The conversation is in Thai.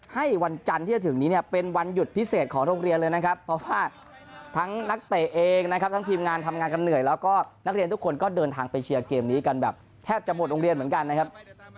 ให้วันจันทร์ที่จะถึงนี้เนี่ยเป็นวันหยุดพิเศษของโรงเรียนเลยนะครับเพราะว่าทั้งนักเตะเองนะครับทั้งทีมงานทำงานกันเหนื่อยแล้วก็นักเรียนทุกคนก็เดินทางไปเชียร์เกมนี้กันแบบแทบจะหมดโรงเรียนเหมือนกันนะครับ